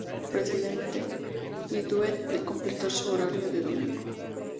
Presidente y de Duet completar su horario de domingo.